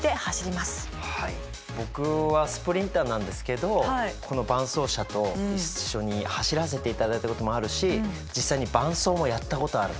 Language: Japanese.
僕はスプリンターなんですけどこの伴走者と一緒に走らせていただいたこともあるし実際に伴走もやったことあるんですよ。